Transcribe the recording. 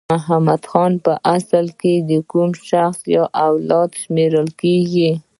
محمد خان په اصل کې د کوم شخص له اولاده شمیرل کیږي؟